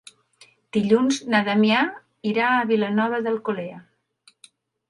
Dilluns na Damià irà a Vilanova d'Alcolea.